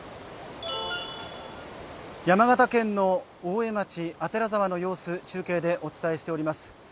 山形県の大江町左沢の様子を中継でお伝えしています。